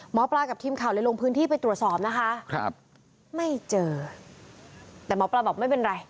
หมอปลากับทีมข่าวเลยลงพื้นที่ไปตรวจสอบนะคะครับไม่เจอแต่หมอปลาบอกไม่เป็นไร